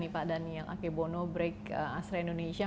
pak daniel akebono break astra indonesia